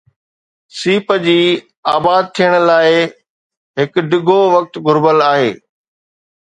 سيپ جي آباد ٿيڻ لاءِ هڪ ڊگهو وقت گهربل آهي